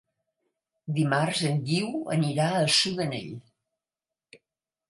Dimarts en Guiu anirà a Sudanell.